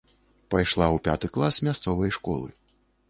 Пайшла ў пяты клас мясцовай школы.